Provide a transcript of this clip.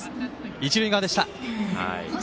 一塁側でした。